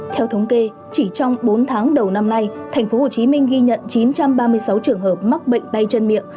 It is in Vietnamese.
theo thống kê chỉ trong bốn tháng đầu năm nay thành phố hồ chí minh ghi nhận chín trăm ba mươi sáu trường hợp mắc bệnh tay chân miệng